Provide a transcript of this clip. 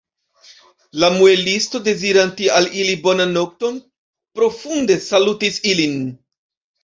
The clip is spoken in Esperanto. La muelisto, dezirante al ili bonan nokton, profunde salutis ilin.